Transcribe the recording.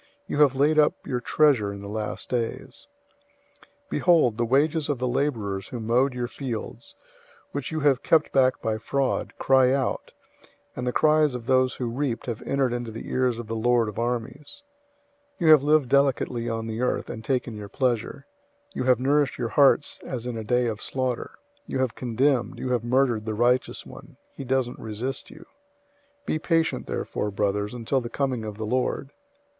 You have laid up your treasure in the last days. 005:004 Behold, the wages of the laborers who mowed your fields, which you have kept back by fraud, cry out, and the cries of those who reaped have entered into the ears of the Lord of Armies{Greek: Sabaoth (for Hebrew: Tze'va'ot)}. 005:005 You have lived delicately on the earth, and taken your pleasure. You have nourished your hearts as in a day of slaughter. 005:006 You have condemned, you have murdered the righteous one. He doesn't resist you. 005:007 Be patient therefore, brothers, until the coming of the Lord.